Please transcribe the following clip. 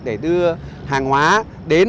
để đưa hàng hóa đến